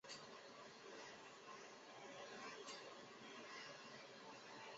一个项目每个国家只允许派一支队参加。